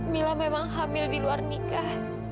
mila memang hamil di luar nikah